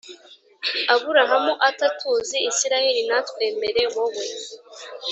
Aburahamu atatuzi isirayeli ntatwemere wowe